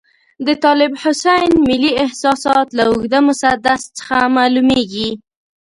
د طالب حسین ملي احساسات له اوږده مسدس څخه معلوميږي.